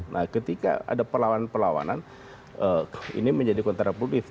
nah ketika ada perlawanan perlawanan ini menjadi kontraproduktif